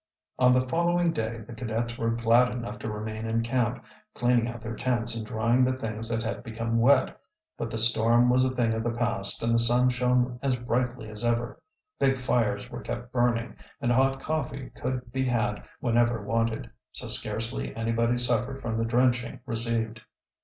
On the following day the cadets were glad enough to remain in camp, cleaning out their tents and drying the things that had become wet. But the storm was a thing of the past and the sun shone as brightly as ever. Big fires were kept burning, and hot coffee could be had whenever wanted, so scarcely anybody suffered from the drenching received.